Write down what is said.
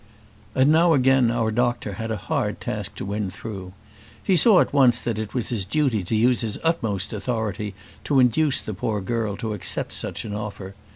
And now again our doctor had a hard task to win through. He saw at once that it was his duty to use his utmost authority to induce the poor girl to accept such an offer.